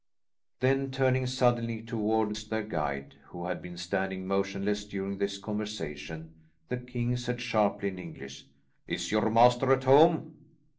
Then turning suddenly towards their guide, who had been standing motionless during this conversation, the king said sharply in English, "Is your master at home?"